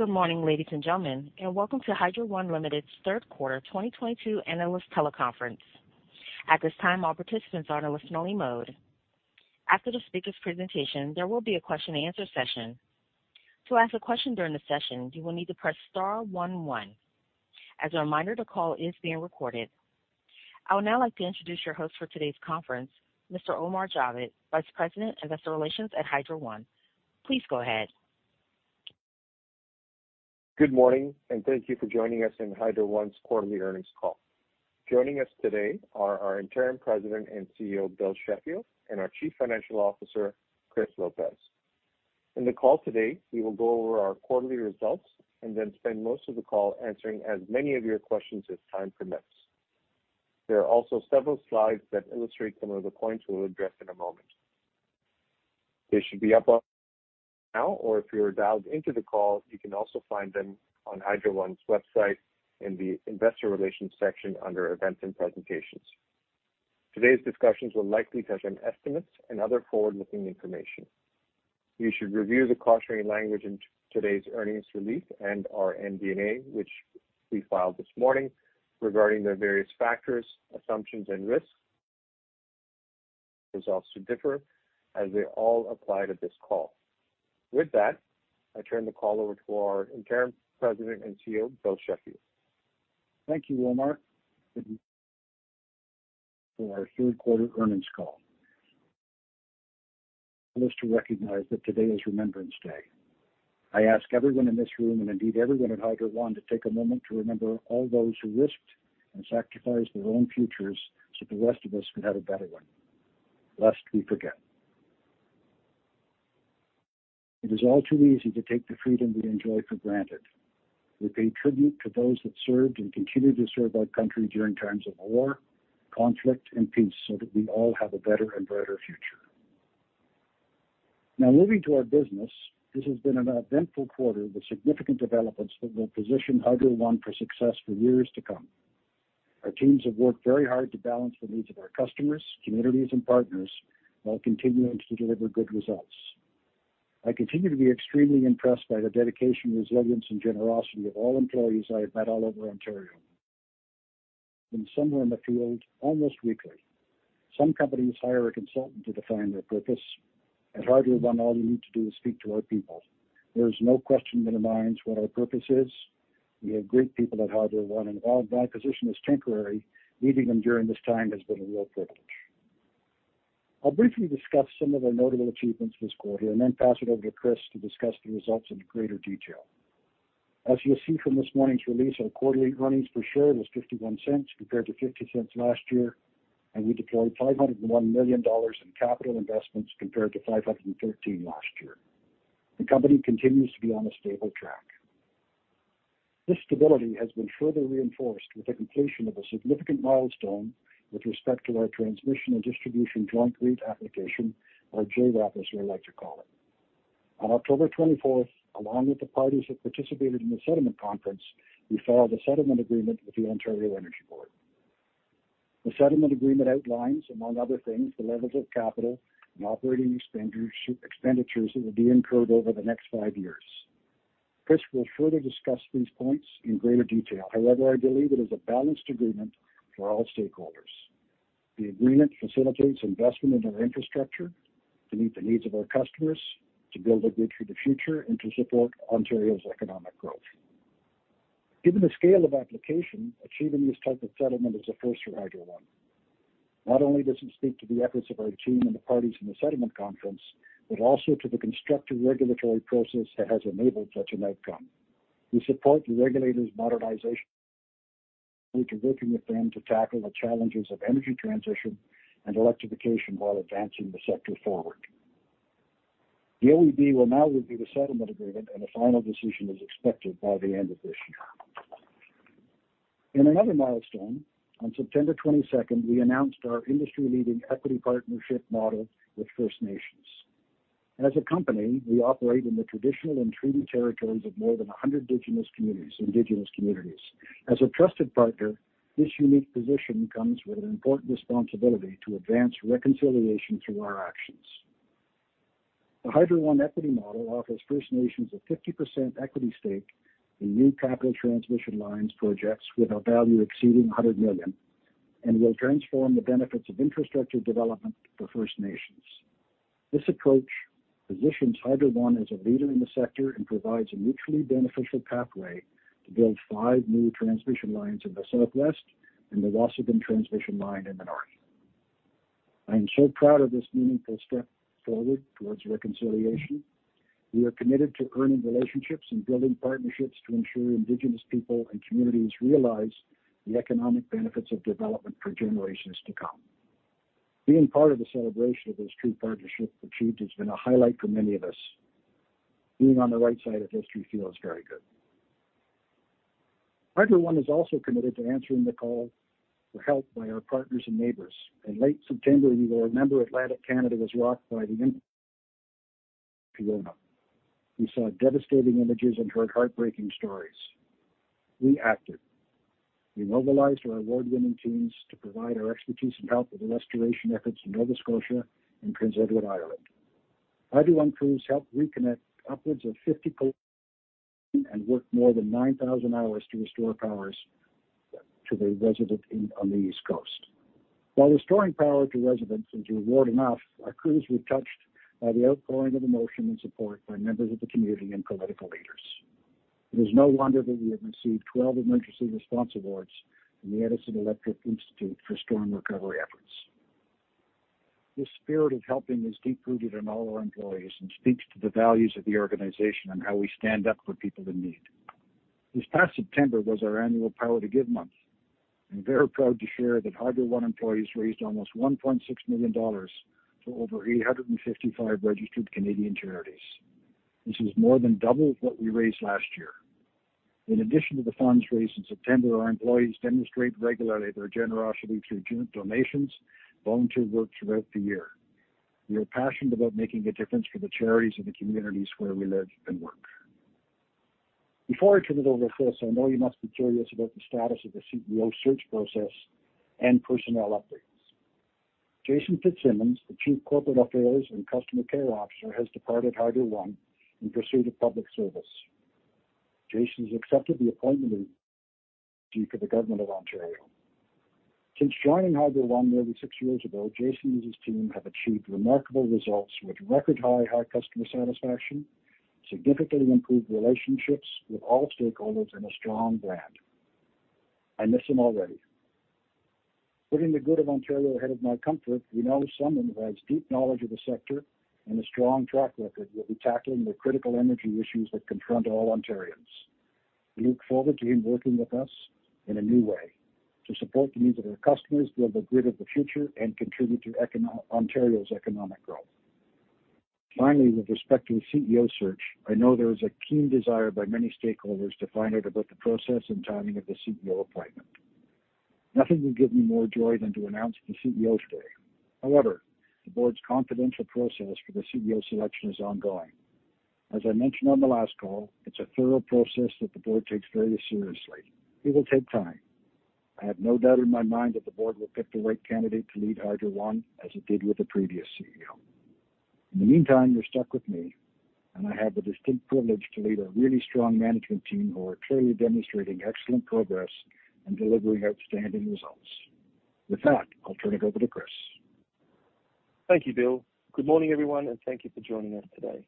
Good morning, ladies and gentlemen, and welcome to Hydro One Limited's third quarter 2022 analyst teleconference. At this time, all participants are in a listening mode. After the speaker's presentation, there will be a question and answer session. To ask a question during the session, you will need to press star one one. As a reminder, the call is being recorded. I would now like to introduce your host for today's conference, Mr. Omar Javed, Vice President of Investor Relations at Hydro One. Please go ahead. Good morning, and thank you for joining us in Hydro One's quarterly earnings call. Joining us today are our interim President and CEO, Bill Sheffield, and our Chief Financial Officer, Chris Lopez. In the call today, we will go over our quarterly results and then spend most of the call answering as many of your questions as time permits. There are also several slides that illustrate some of the points we'll address in a moment. They should be up now, or if you're dialed into the call, you can also find them on Hydro One's website in the investor relations section under events and presentations. Today's discussions will likely touch on estimates and other forward-looking information. You should review the cautionary language in today's earnings release and our MD&A, which we filed this morning regarding the various factors, assumptions, and risks. Results may differ as they all apply to this call. With that, I turn the call over to our Interim President and CEO, Bill Sheffield. Thank you, Omar, for our third quarter earnings call. Let us now recognize that today is Remembrance Day. I ask everyone in this room, and indeed everyone at Hydro One to take a moment to remember all those who risked and sacrificed their own futures so the rest of us could have a better one. Lest we forget. It is all too easy to take the freedom we enjoy for granted. We pay tribute to those that served and continue to serve our country during times of war, conflict, and peace, so that we all have a better and brighter future. Now moving to our business. This has been an eventful quarter with significant developments that will position Hydro One for success for years to come. Our teams have worked very hard to balance the needs of our customers, communities and partners while continuing to deliver good results. I continue to be extremely impressed by the dedication, resilience and generosity of all employees I have met all over Ontario. Been somewhere in the field almost weekly. Some companies hire a consultant to define their purpose. At Hydro One, all you need to do is speak to our people. There is no question in our minds what our purpose is. We have great people at Hydro One, and while my position is temporary, leading them during this time has been a real privilege. I'll briefly discuss some of our notable achievements this quarter and then pass it over to Chris to discuss the results in greater detail. As you'll see from this morning's release, our quarterly earnings per share was 0.51 compared to 0.50 last year, and we deployed 501 million dollars in capital investments compared to 513 million last year. The company continues to be on a stable track. This stability has been further reinforced with the completion of a significant milestone with respect to our transmission and distribution joint rate application or JRAP as we like to call it. On October 24th, along with the parties that participated in the settlement conference, we filed a settlement agreement with the Ontario Energy Board. The settlement agreement outlines, among other things, the levels of capital and operating expenditures that will be incurred over the next five years. Chris will further discuss these points in greater detail. However, I believe it is a balanced agreement for all stakeholders. The agreement facilitates investment in our infrastructure to meet the needs of our customers, to build a grid for the future, and to support Ontario's economic growth. Given the scale of application, achieving this type of settlement is a first for Hydro One. Not only does it speak to the efforts of our team and the parties in the settlement conference, but also to the constructive regulatory process that has enabled such an outcome. We support the regulator's modernization. We are working with them to tackle the challenges of energy transition and electrification while advancing the sector forward. The OEB will now review the settlement agreement, and a final decision is expected by the end of this year. In another milestone, on September 22nd, we announced our industry-leading equity partnership model with First Nations. As a company, we operate in the traditional and treaty territories of more than 100 Indigenous communities. As a trusted partner, this unique position comes with an important responsibility to advance reconciliation through our actions. The Hydro One equity model offers First Nations a 50% equity stake in new capital transmission lines projects with a value exceeding 100 million and will transform the benefits of infrastructure development for First Nations. This approach positions Hydro One as a leader in the sector and provides a mutually beneficial pathway to build five new transmission lines in the southwest and the Waasigan transmission line in the north. I am so proud of this meaningful step forward towards reconciliation. We are committed to earning relationships and building partnerships to ensure Indigenous people and communities realize the economic benefits of development for generations to come. Being part of the celebration of this true partnership achieved has been a highlight for many of us. Being on the right side of history feels very good. Hydro One is also committed to answering the call for help by our partners and neighbors. In late September, you will remember Atlantic Canada was rocked by the impact of Hurricane Fiona. We saw devastating images and heard heartbreaking stories. We acted. We mobilized our award-winning teams to provide our expertise and help with the restoration efforts in Nova Scotia and Prince Edward Island. Hydro One crews helped reconnect upwards of 50 and worked more than 9,000 hours to restore power to the residents on the East Coast. While restoring power to residents is reward enough, our crews were touched by the outpouring of emotion and support by members of the community and political leaders. It is no wonder that we have received 12 emergency response awards from the Edison Electric Institute for storm recovery efforts. This spirit of helping is deep-rooted in all our employees and speaks to the values of the organization and how we stand up for people in need. This past September was our annual Power to Give month. I'm very proud to share that Hydro One employees raised almost 1.6 million dollars for over 855 registered Canadian charities. This is more than double what we raised last year. In addition to the funds raised in September, our employees demonstrate regularly their generosity through general donations, volunteer work throughout the year. We are passionate about making a difference for the charities in the communities where we live and work. Before I turn it over to Chris, I know you must be curious about the status of the CEO search process and personnel updates. Jason Fitzsimmons, the Chief Corporate Affairs and Customer Care Officer, has departed Hydro One in pursuit of public service. Jason has accepted the appointment of Deputy for the Government of Ontario. Since joining Hydro One nearly six years ago, Jason and his team have achieved remarkable results with record high customer satisfaction, significantly improved relationships with all stakeholders in a strong brand. I miss him already. Putting the good of Ontario ahead of my comfort, we now have someone who has deep knowledge of the sector and a strong track record will be tackling the critical energy issues that confront all Ontarians. We look forward to him working with us in a new way to support the needs of our customers, build a grid of the future, and contribute to Ontario's economic growth. Finally, with respect to the CEO search, I know there is a keen desire by many stakeholders to find out about the process and timing of the CEO appointment. Nothing will give me more joy than to announce the CEO today. However, the board's confidential process for the CEO selection is ongoing. As I mentioned on the last call, it's a thorough process that the board takes very seriously. It will take time. I have no doubt in my mind that the board will pick the right candidate to lead Hydro One, as it did with the previous CEO. In the meantime, you're stuck with me, and I have the distinct privilege to lead a really strong management team who are clearly demonstrating excellent progress in delivering outstanding results. With that, I'll turn it over to Chris. Thank you, Bill. Good morning, everyone, and thank you for joining us today.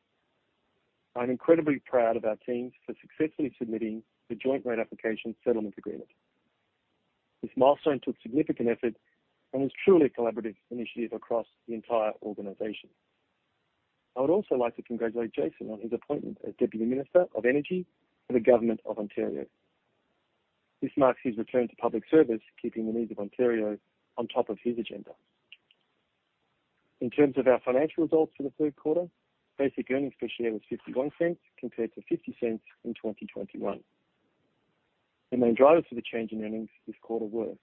I'm incredibly proud of our teams for successfully submitting the Joint Rate Application Settlement Agreement. This milestone took significant effort and was truly a collaborative initiative across the entire organization. I would also like to congratulate Jason on his appointment as Deputy Minister of Energy for the Government of Ontario. This marks his return to public service, keeping the needs of Ontario on top of his agenda. In terms of our financial results for the third quarter, basic earnings per share was 0.51 compared to 0.50 in 2021. The main drivers for the change in earnings this quarter were.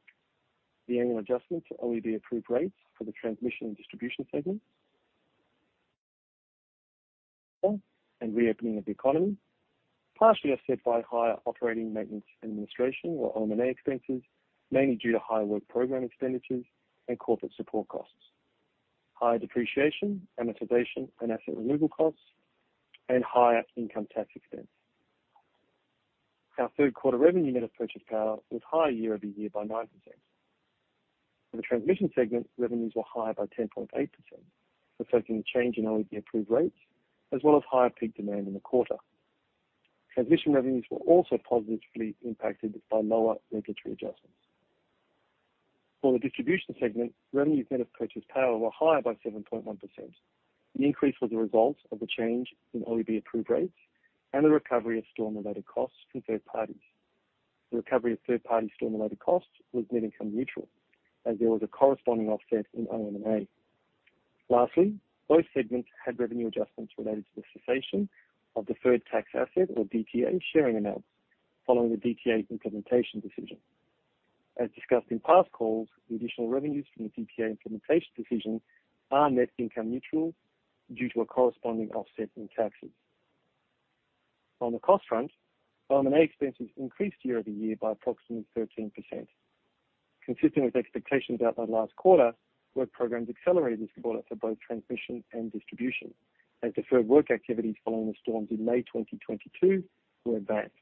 The annual adjustment to OEB-approved rates for the transmission and distribution segments. Reopening of the economy, partially offset by higher operating, maintenance, and administration or OM&A expenses, mainly due to higher work program expenditures and corporate support costs. Higher depreciation, amortization, and asset removal costs and higher income tax expense. Our third quarter revenue net of purchased power was higher year-over-year by 9%. For the transmission segment, revenues were higher by 10.8%, reflecting the change in OEB-approved rates as well as higher peak demand in the quarter. Transmission revenues were also positively impacted by lower regulatory adjustments. For the distribution segment, revenues net of purchased power were higher by 7.1%. The increase was a result of the change in OEB-approved rates and the recovery of storm-related costs from third parties. The recovery of third-party storm-related costs was net income neutral as there was a corresponding offset in OM&A. Lastly, both segments had revenue adjustments related to the cessation of deferred tax asset or DTA sharing amounts following the DTA implementation decision. As discussed in past calls, the additional revenues from the DTA implementation decision are net income neutral due to a corresponding offset in taxes. On the cost front, OM&A expenses increased year-over-year by approximately 13%. Consistent with expectations outlined last quarter, work programs accelerated this quarter for both transmission and distribution as deferred work activities following the storms in May 2022 were advanced.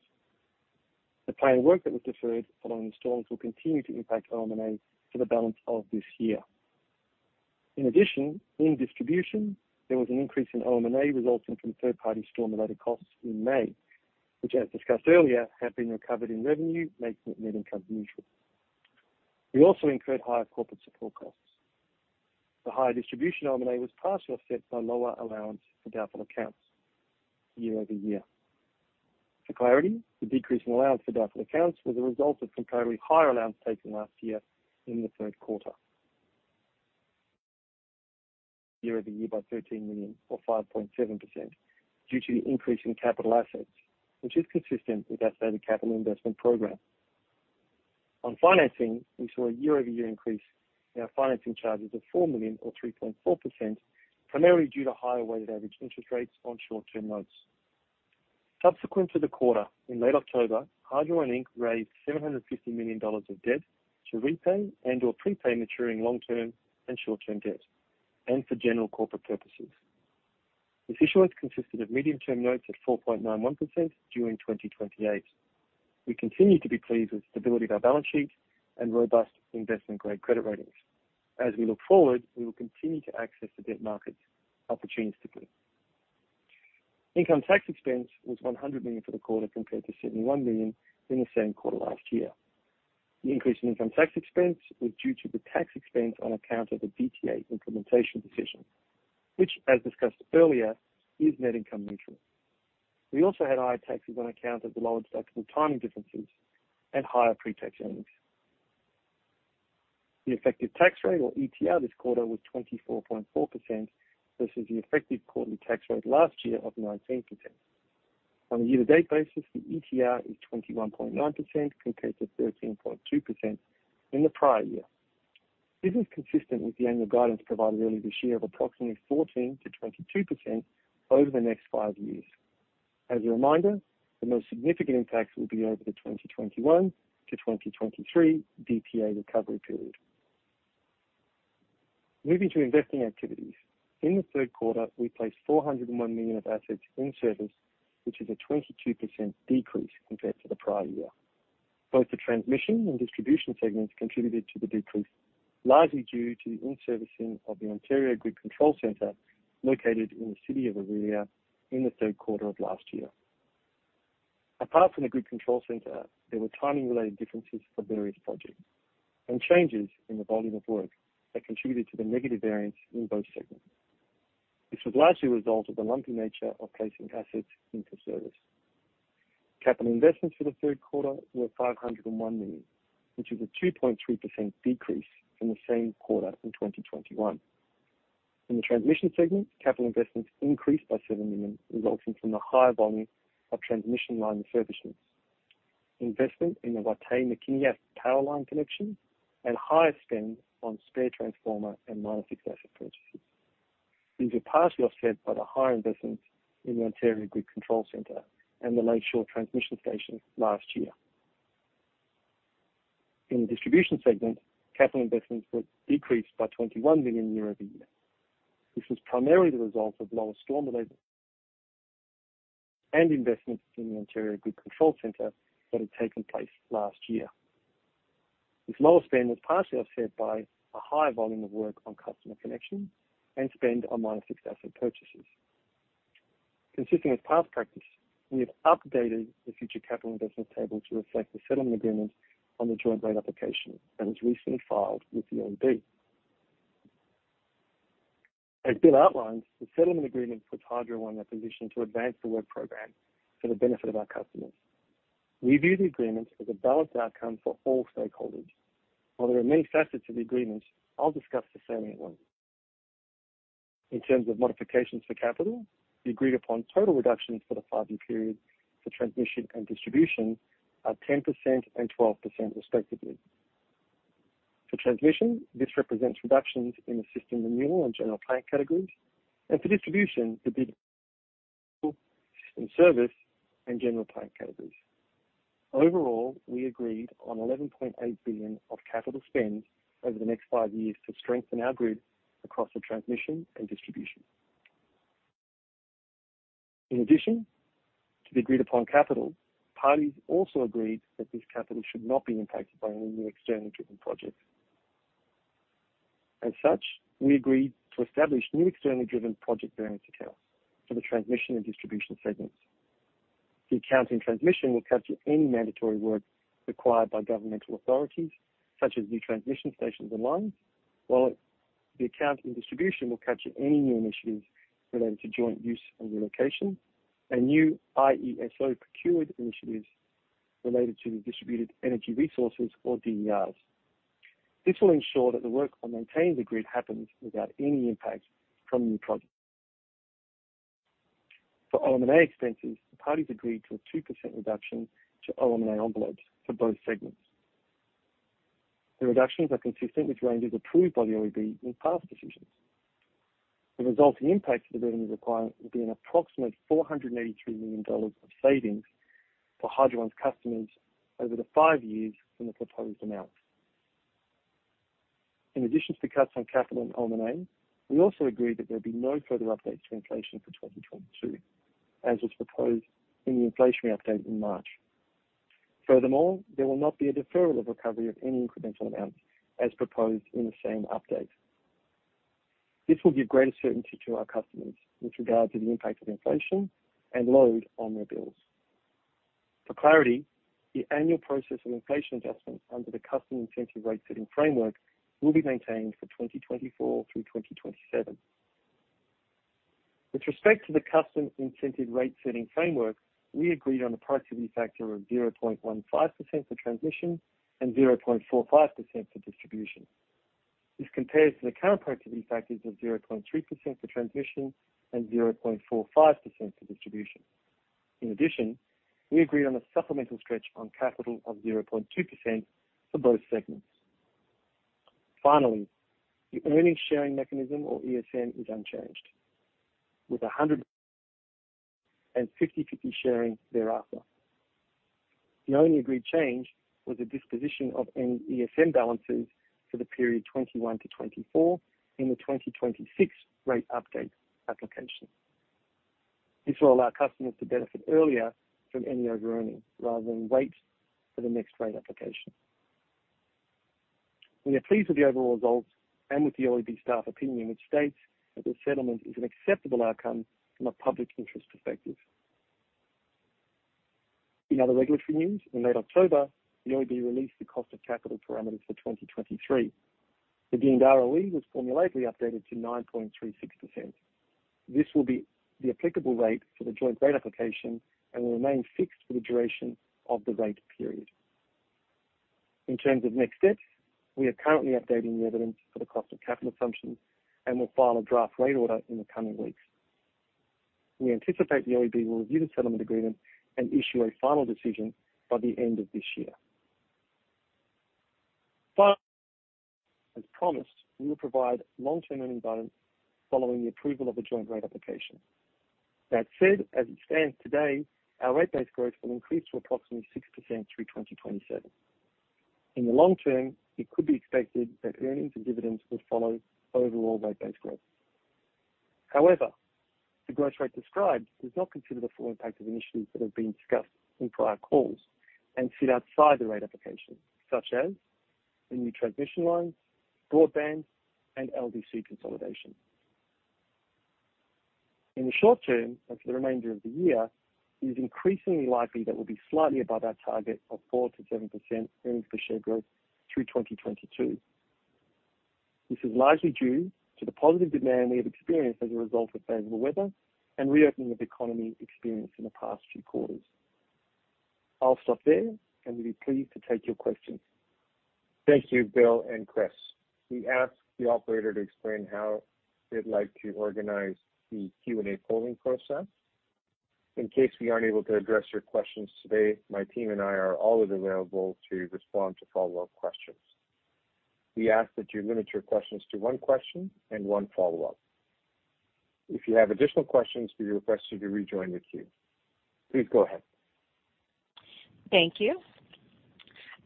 The planned work that was deferred following the storms will continue to impact OM&A for the balance of this year. In addition, in distribution, there was an increase in OM&A resulting from third-party storm-related costs in May, which, as discussed earlier, have been recovered in revenue, making it net income neutral. We also incurred higher corporate support costs. The higher distribution OM&A was partially offset by lower allowance for doubtful accounts year-over-year. For clarity, the decrease in allowance for doubtful accounts was a result of comparatively higher allowance taken last year in the third quarter. Year-over-year by 13 million or 5.7% due to the increase in capital assets, which is consistent with our stated capital investment program. On financing, we saw a year-over-year increase in our financing charges of 4 million or 3.4%, primarily due to higher weighted average interest rates on short-term loans. Subsequent to the quarter, in late October, Hydro One Inc. raised 750 million dollars of debt to repay and/or prepay maturing long-term and short-term debt and for general corporate purposes. The issuance consisted of medium-term notes at 4.91% during 2028. We continue to be pleased with the stability of our balance sheet and robust investment-grade credit ratings. As we look forward, we will continue to access the debt markets opportunistically. Income tax expense was 100 million for the quarter compared to 71 million in the same quarter last year. The increase in income tax expense was due to the tax expense on account of the DTA implementation decision, which, as discussed earlier, is net income neutral. We also had higher taxes on account of the lower deductible timing differences and higher pre-tax earnings. The effective tax rate or ETR this quarter was 24.4% versus the effective quarterly tax rate last year of 19%. On a year-to-date basis, the ETR is 21.9% compared to 13.2% in the prior year. This is consistent with the annual guidance provided early this year of approximately 14%-22% over the next five years. As a reminder, the most significant impacts will be over the 2021-2023 DTA recovery period. Moving to investing activities. In the third quarter, we placed 401 million of assets in service, which is a 22% decrease compared to the prior year. Both the transmission and distribution segments contributed to the decrease, largely due to the in-servicing of the Ontario Grid Control Center located in the city of Orillia in the third quarter of last year. Apart from the Grid Control Center, there were timing-related differences for various projects and changes in the volume of work that contributed to the negative variance in both segments. This was largely a result of the lumpy nature of placing assets into service. Capital investments for the third quarter were 501 million, which is a 2.3% decrease from the same quarter in 2021. In the transmission segment, capital investments increased by 7 million, resulting from the higher volume of transmission line services, investment in the Wataynikaneyap Power line connection and higher spend on spare transformer and minor fixed asset purchases. These are partially offset by the higher investments in the Ontario Grid Control Center and the Lakeshore Transmission Station last year. In the distribution segment, capital investments were decreased by CAD 21 million year-over-year, which was primarily the result of lower storm-related investments in the Ontario Grid Control Center that had taken place last year. This lower spend was partially offset by a higher volume of work on customer connection and spend on minor fixed asset purchases. Consistent with past practice, we have updated the future capital investment table to reflect the settlement agreement on the joint rate application that was recently filed with the OEB. As Bill outlined, the settlement agreement puts Hydro One in a position to advance the work program for the benefit of our customers. We view the agreement as a balanced outcome for all stakeholders. While there are many facets of the agreement, I'll discuss the salient ones. In terms of modifications for capital, the agreed-upon total reductions for the five-year period for transmission and distribution are 10% and 12% respectively. For transmission, this represents reductions in the system renewal and general plan categories, and for distribution, the base system service and general plan categories. Overall, we agreed on 11.8 billion of capital spend over the next five years to strengthen our grid across the transmission and distribution. In addition to the agreed-upon capital, parties also agreed that this capital should not be impacted by any new externally driven projects. As such, we agreed to establish new externally driven project variance accounts for the transmission and distribution segments. The account in transmission will capture any mandatory work required by governmental authorities, such as new transmission stations and lines, while the account in distribution will capture any new initiatives related to joint use and relocation and new IESO-procured initiatives related to the distributed energy resources or DERs. This will ensure that the work on maintaining the grid happens without any impact from new projects. For O&M expenses, the parties agreed to a 2% reduction to O&M envelopes for both segments. The reductions are consistent with ranges approved by the OEB in past decisions. The resulting impact to the billing requirement will be an approximate 483 million dollars of savings for Hydro One's customers over the five years from the proposed amount. In addition to the cuts on capital and O&M, we also agreed that there'll be no further updates to inflation for 2022, as was proposed in the inflationary update in March. Furthermore, there will not be a deferral of recovery of any incremental amounts as proposed in the same update. This will give greater certainty to our customers with regard to the impact of inflation and load on their bills. For clarity, the annual process of inflation adjustments under the Custom Incentive Rate-setting framework will be maintained for 2024 through 2027. With respect to the Custom Incentive Rate-setting framework, we agreed on a productivity factor of 0.15% for transmission and 0.45% for distribution. This compares to the current productivity factors of 0.3% for transmission and 0.45% for distribution. In addition, we agreed on a supplemental stretch on capital of 0.2% for both segments. Finally, the earnings sharing mechanism, or ESM, is unchanged, with 50/50 sharing thereafter. The only agreed change was a disposition of any ESM balances for the period 2021-2024 in the 2026 rate update application. This will allow customers to benefit earlier from any overearning rather than wait for the next rate application. We are pleased with the overall results and with the OEB staff opinion, which states that this settlement is an acceptable outcome from a public interest perspective. In other regulatory news, in late October, the OEB released the cost of capital parameters for 2023. The deemed ROE was formulatorily updated to 9.36%. This will be the applicable rate for the joint rate application and will remain fixed for the duration of the rate period. In terms of next steps, we are currently updating the evidence for the cost of capital assumptions and will file a draft rate order in the coming weeks. We anticipate the OEB will review the settlement agreement and issue a final decision by the end of this year. Finally, as promised, we will provide long-term earnings guidance following the approval of a joint rate application. That said, as it stands today, our rate base growth will increase to approximately 6% through 2027. In the long term, it could be expected that earnings and dividends will follow overall rate base growth. However, the growth rate described does not consider the full impact of initiatives that have been discussed in prior calls and sit outside the rate application, such as the new transmission lines, broadband and LDC consolidation. In the short term, that's the remainder of the year, it is increasingly likely that we'll be slightly above our target of 4%-7% earnings per share growth through 2022. This is largely due to the positive demand we have experienced as a result of favorable weather and reopening of economy experienced in the past few quarters. I'll stop there, and we'll be pleased to take your questions. Thank you, Bill and Chris. We ask the operator to explain how they'd like to organize the Q&A polling process. In case we aren't able to address your questions today, my team and I are always available to respond to follow-up questions. We ask that you limit your questions to one question and one follow-up. If you have additional questions, we request you to rejoin the queue. Please go ahead. Thank you.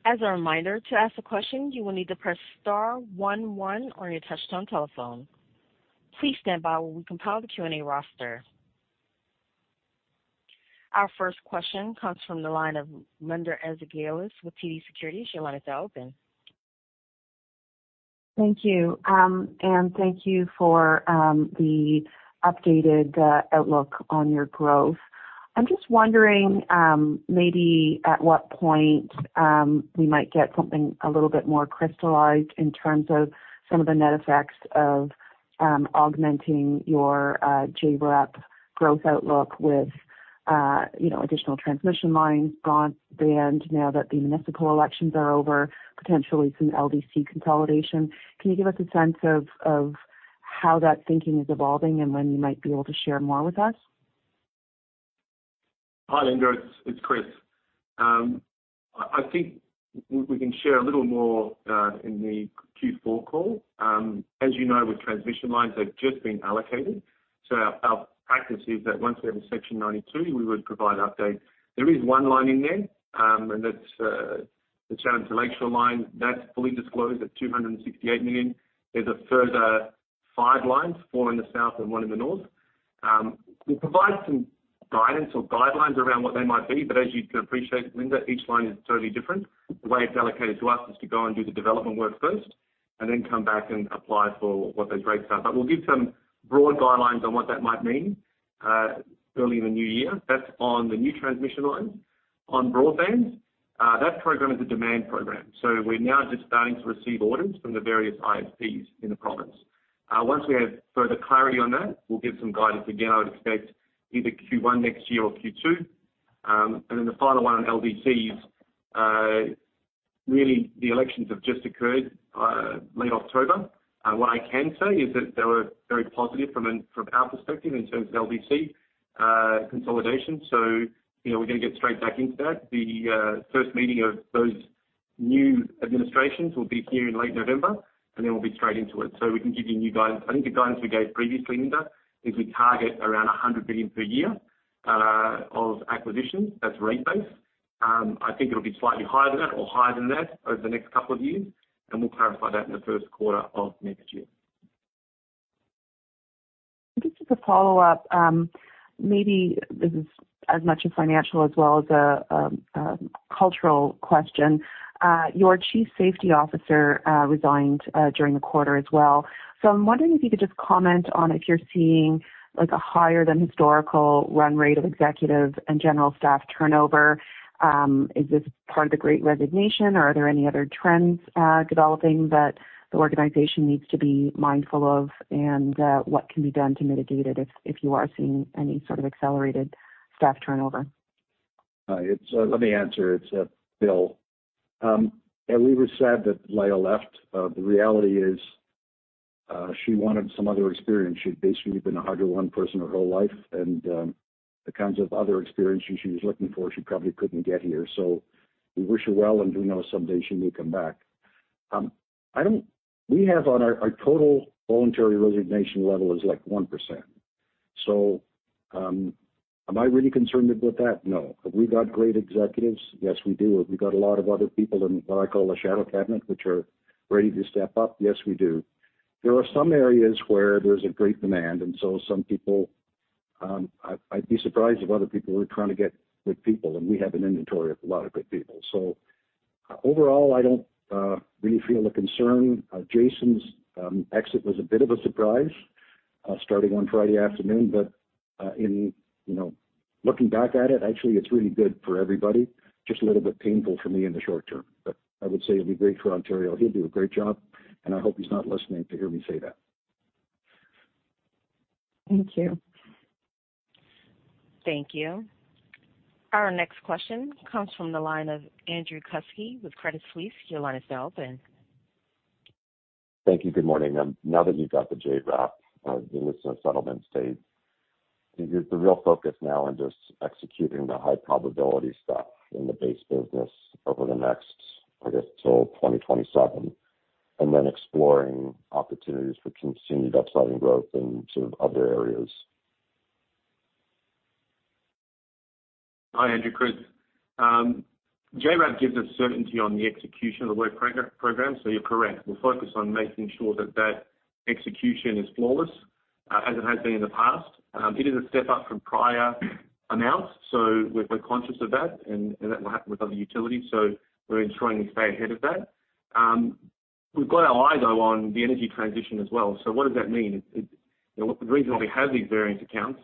As a reminder, to ask a question, you will need to press star one one on your touchtone telephone. Please stand by while we compile the Q&A roster. Our first question comes from the line of Linda Ezergailis with TD Securities. Your line is now open. Thank you. Thank you for the updated outlook on your growth. I'm just wondering, maybe at what point we might get something a little bit more crystallized in terms of some of the net effects of augmenting your JRAP growth outlook with, you know, additional transmission lines, broadband, now that the municipal elections are over, potentially some LDC consolidation. Can you give us a sense of how that thinking is evolving and when you might be able to share more with us? Hi, Linda, it's Chris. I think we can share a little more in the Q4 call. As you know, with transmission lines, they've just been allocated. Our practice is that once we have a Section 92, we would provide update. There is one line in there, and that's the Chatham to Lakeshore Line. That's fully disclosed at 268 million. There's a further five lines, four in the south and one in the north. We provide some guidance or guidelines around what they might be. As you'd appreciate, Linda, each line is totally different. The way it's allocated to us is to go and do the development work first and then come back and apply for what those rates are. We'll give some broad guidelines on what that might mean early in the new year. That's on the new transmission lines. On broadband, that program is a demand program, so we're now just starting to receive orders from the various ISPs in the province. Once we have further clarity on that, we'll give some guidance. Again, I would expect either Q1 next year or Q2. The final one on LDCs, really the elections have just occurred late October. What I can say is that they were very positive from our perspective in terms of LDC consolidation. You know, we're gonna get straight back into that. The first meeting of those new administrations will be here in late November, and then we'll be straight into it, so we can give you new guidance. I think the guidance we gave previously, Linda, is we target around 100 billion per year of acquisitions. That's rate base. I think it'll be slightly higher than that or higher than that over the next couple of years, and we'll clarify that in the first quarter of next year. Just as a follow-up, maybe this is as much a financial as well as a cultural question. Your chief safety officer resigned during the quarter as well. I'm wondering if you could just comment on if you're seeing like a higher than historical run rate of executive and general staff turnover. Is this part of the Great Resignation or are there any other trends developing that the organization needs to be mindful of, and what can be done to mitigate it if you are seeing any sort of accelerated staff turnover? Hi. Let me answer. It's Bill. We were sad that Leah left. The reality is, she wanted some other experience. She'd basically been a Hydro One person her whole life, and the kinds of other experiences she was looking for, she probably couldn't get here. We wish her well, and we know someday she may come back. We have on our total voluntary resignation level is, like, 1%. Am I really concerned about that? No. Have we got great executives? Yes, we do. Have we got a lot of other people in what I call a shadow cabinet, which are ready to step up? Yes, we do. There are some areas where there's a great demand, and some people, I'd be surprised if other people were trying to get good people, and we have an inventory of a lot of good people. Overall, I don't really feel a concern. Jason's exit was a bit of a surprise, starting on Friday afternoon. You know, looking back at it, actually, it's really good for everybody, just a little bit painful for me in the short term. I would say it'll be great for Ontario. He'll do a great job, and I hope he's not listening to hear me say that. Thank you. Thank you. Our next question comes from the line of Andrew Kuske with Credit Suisse. Your line is now open. Thank you. Good morning. Now that you've got the JRAP, the list of settlement status, is it the real focus now on just executing the high probability stuff in the base business over the next, I guess, till 2027, and then exploring opportunities for continued upside growth in sort of other areas? Hi, Andrew. Chris. JRAP gives us certainty on the execution of the work program, so you're correct. We'll focus on making sure that execution is flawless, as it has been in the past. It is a step up from prior announcement, so we're conscious of that, and that will happen with other utilities. We're ensuring we stay ahead of that. We've got our eye, though, on the energy transition as well. What does that mean? You know, the reason why we have these variance accounts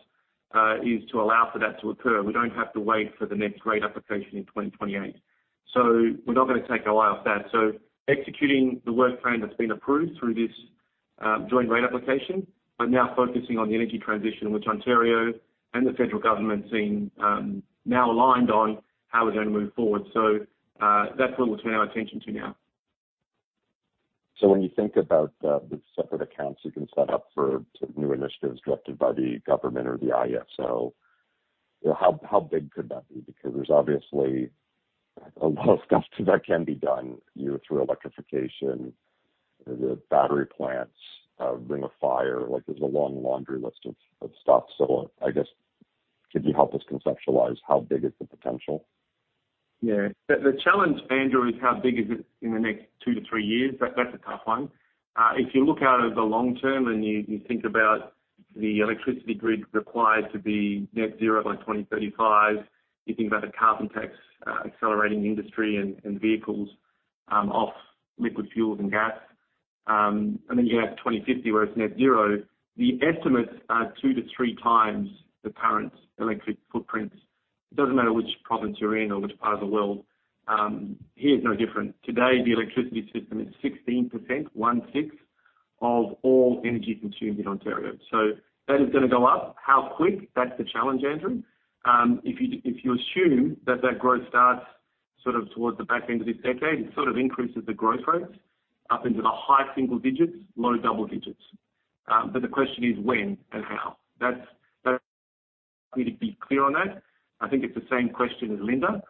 is to allow for that to occur. We don't have to wait for the next rate application in 2028. We're not gonna take our eye off that. Executing the work plan that's been approved through this Joint Rate Application, but now focusing on the energy transition, which Ontario and the central government seem now aligned on how we're gonna move forward. That's where we'll turn our attention to now. When you think about the separate accounts you can set up for new initiatives directed by the government or the ISO, you know, how big could that be? Because there's obviously a lot of stuff that can be done through electrification, the battery plants, Ring of Fire. Like, there's a long laundry list of stuff. I guess could you help us conceptualize how big is the potential? Yeah. The challenge, Andrew, is how big is it in the next two to three years. That's a tough one. If you look out at the long term and you think about the electricity grid required to be net zero by 2035, you think about the carbon tax accelerating industry and vehicles off liquid fuels and gas, and then you have 2050 where it's net zero, the estimates are two to three times the current electric footprints. It doesn't matter which province you're in or which part of the world. Here it's no different. Today, the electricity system is 16%, one-sixth of all energy consumed in Ontario. That is gonna go up. How quick? That's the challenge, Andrew. If you assume that growth starts sort of towards the back end of this decade, it sort of increases the growth rates up into the high single digits, low double digits. But the question is when and how. We need to be clear on that. I think it's the same question as Linda.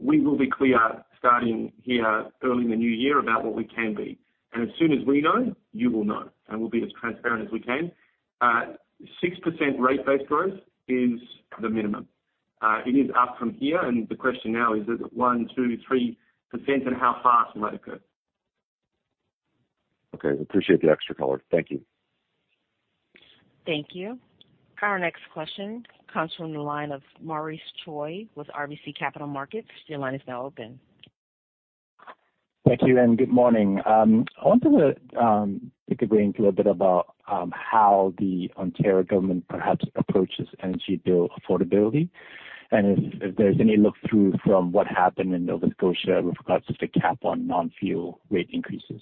We will be clear starting here early in the new year about what we can be. As soon as we know, you will know, and we'll be as transparent as we can. 6% rate-based growth is the minimum. It is up from here, and the question now is it 1%, 2%, 3%, and how fast might occur. Okay. Appreciate the extra color. Thank you. Thank you. Our next question comes from the line of Maurice Choy with RBC Capital Markets. Your line is now open. Thank you, and good morning. I wanted to pick your brain a little bit about how the Ontario government perhaps approaches energy bill affordability. If there's any look through from what happened in Nova Scotia with regards to the cap on non-fuel rate increases.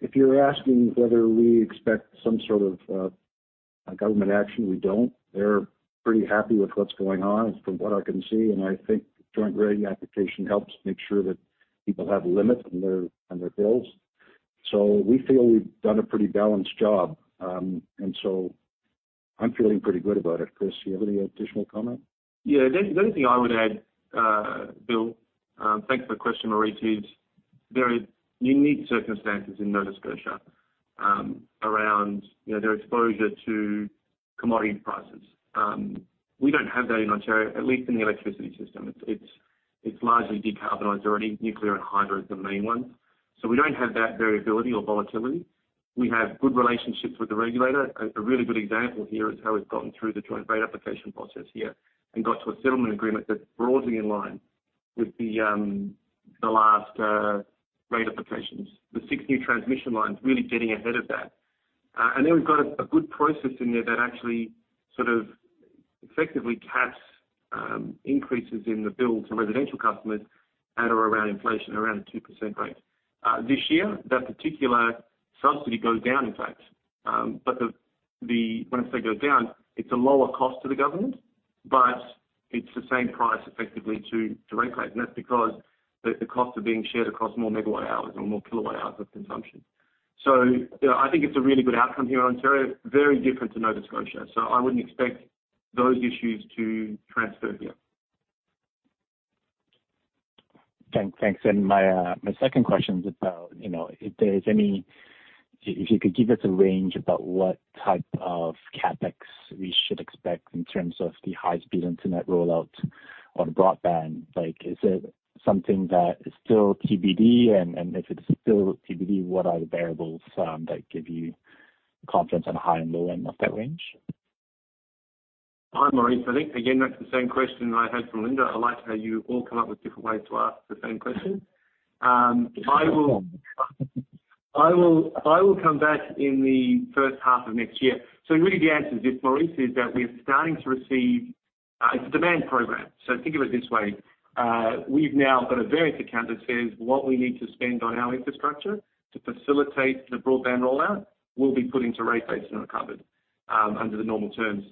If you're asking whether we expect some sort of government action, we don't. They're pretty happy with what's going on, from what I can see, and I think joint rate application helps make sure that people have limits on their bills. We feel we've done a pretty balanced job. I'm feeling pretty good about it. Chris, do you have any additional comment? Yeah. The only thing I would add, Bill, thanks for the question, Maurice, is very unique circumstances in Nova Scotia, around, you know, their exposure to commodity prices. We don't have that in Ontario, at least in the electricity system. It's largely decarbonized already. Nuclear and hydro is the main one. We don't have that variability or volatility. We have good relationships with the regulator. A really good example here is how we've gotten through the joint rate application process here and got to a settlement agreement that's broadly in line with the last rate applications. The six new transmission lines really getting ahead of that. Then we've got a good process in there that actually sort of effectively caps increases in the bill to residential customers at or around inflation, around a 2% rate. This year, that particular subsidy goes down, in fact. But when I say goes down, it's a lower cost to the government, but it's the same price effectively to ratepayers. That's because the costs are being shared across more megawatt hours or more kilowatt hours of consumption. Yeah, I think it's a really good outcome here in Ontario, very different to Nova Scotia, so I wouldn't expect those issues to transfer here. Thanks. My second question is about, you know, if you could give us a range about what type of CapEx we should expect in terms of the high-speed internet rollout on broadband. Like, is it something that is still TBD? And if it's still TBD, what are the variables that give you confidence on a high and low end of that range? Hi, Maurice. I think, again, that's the same question I had from Linda. I like how you all come up with different ways to ask the same question. I will come back in the first half of next year. Really the answer is, Maurice, is that we're starting to receive, it's a demand program. Think of it this way. We've now got a variance account that says what we need to spend on our infrastructure to facilitate the broadband rollout will be put into rate base and recovered, under the normal terms.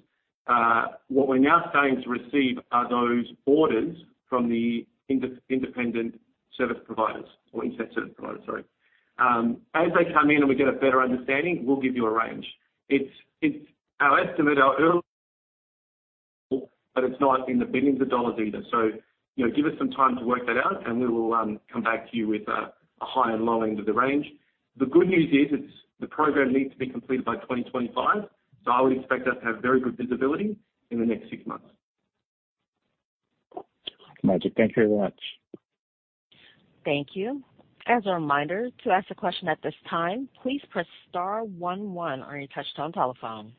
What we're now starting to receive are those orders from the Internet Service Providers, sorry. As they come in and we get a better understanding, we'll give you a range. It's our early estimate, but it's not in the billions of CAD either. You know, give us some time to work that out, and we will come back to you with a high and low end of the range. The good news is, it's the program needs to be completed by 2025, so I would expect us to have very good visibility in the next six months. Got you. Thank you very much. Thank you. As a reminder, to ask a question at this time, please press star one one on your touchtone telephone.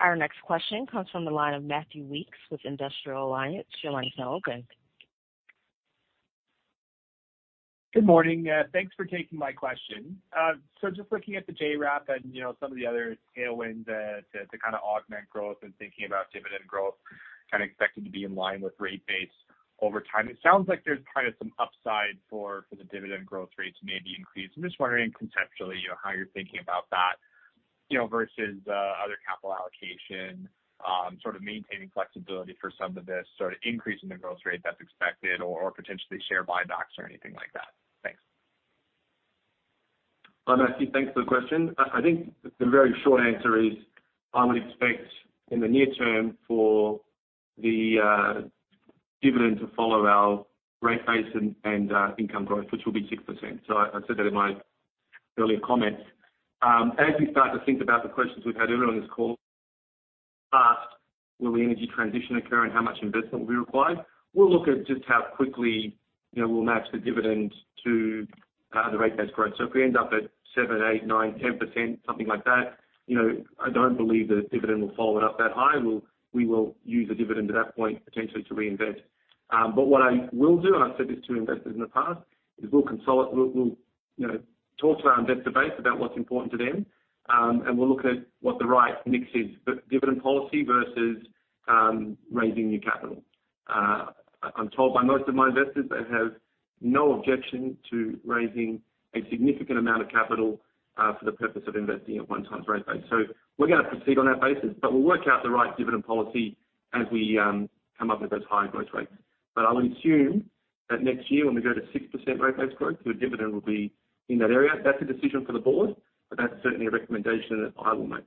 Our next question comes from the line of Matthew Weekes with Industrial Alliance. Your line is now open. Good morning. Thanks for taking my question. Just looking at the JRAP and, you know, some of the other tailwinds, to kind of augment growth and thinking about dividend growth kind of expected to be in line with rate base over time, it sounds like there's kind of some upside for the dividend growth rate to maybe increase. I'm just wondering conceptually, you know, how you're thinking about that, you know, versus other capital allocation, sort of maintaining flexibility for some of this sort of increase in the growth rate that's expected or potentially share buybacks or anything like that. Thanks. Hi, Matthew. Thanks for the question. I think the very short answer is I would expect in the near term for the dividend to follow our rate base and income growth, which will be 6%. I said that in my earlier comments. As we start to think about the questions we've had everyone on this call ask, will the energy transition occur and how much investment will be required? We'll look at just how quickly, you know, we'll match the dividend to the rate base growth. If we end up at seven, eight, nine, 10%, something like that, you know, I don't believe the dividend will follow it up that high. We will use a dividend at that point potentially to reinvest. What I will do, and I've said this to investors in the past, is we'll you know talk to our investor base about what's important to them, and we'll look at what the right mix is, but dividend policy versus raising new capital. I'm told by most of my investors they have no objection to raising a significant amount of capital for the purpose of investing at 1x rate base. We're gonna proceed on that basis, but we'll work out the right dividend policy as we come up with those higher growth rates. I'll assume that next year when we go to 6% rate base growth, the dividend will be in that area. That's a decision for the board, but that's certainly a recommendation that I will make.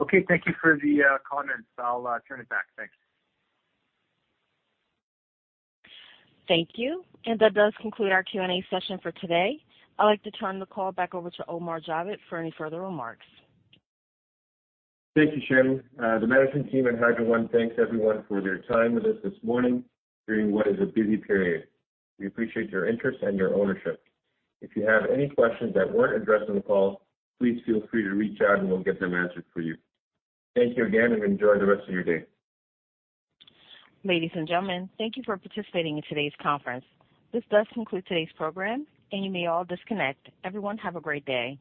Okay. Thank you for the comments. I'll turn it back. Thanks. Thank you. That does conclude our Q&A session for today. I'd like to turn the call back over to Omar Javed for any further remarks. Thank you, Sharon. The management team at Hydro One thanks everyone for their time with us this morning during what is a busy period. We appreciate your interest and your ownership. If you have any questions that weren't addressed on the call, please feel free to reach out, and we'll get them answered for you. Thank you again, and enjoy the rest of your day. Ladies and gentlemen, thank you for participating in today's conference. This does conclude today's program, and you may all disconnect. Everyone, have a great day.